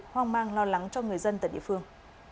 hoang mang lo lắng cho người dân tại địa phương